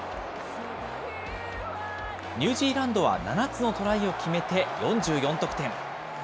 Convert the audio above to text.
ニュージーランドは７つのトライを決めて４４得点。